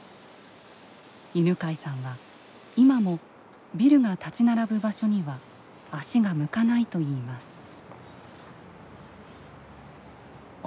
犬飼さんは今もビルが立ち並ぶ場所には足が向かないといいます。